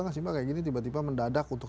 gak sih mbak kayak gini tiba tiba mendadak untuk